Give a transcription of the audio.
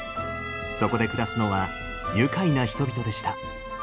そこで暮らすのは愉快な人々でした。